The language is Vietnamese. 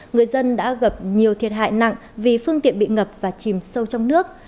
người dân đã gặp nhiều thiệt hại nặng vì phương tiện bị ngập và chìm sâu trong nước